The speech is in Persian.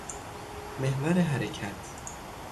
محور حرکت